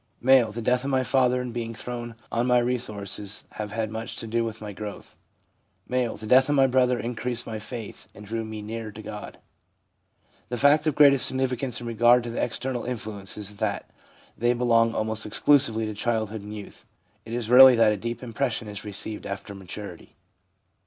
M. • The death of my father and being thrown on my own resources have had much to do with my growth/ M. 1 The death of my brother increased my faith, and drew me nearer to God/ The fact of greatest significance in regard to the external influences is that they belong almost exclusively to childhood and youth. It is rarely that a deep impression is received after maturity.